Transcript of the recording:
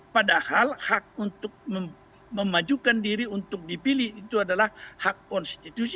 padahal hak untuk memajukan diri untuk dipilih itu adalah hak konstitusi